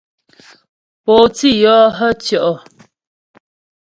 Pǒ tî yɔ́ hə̀ tɔ́' ?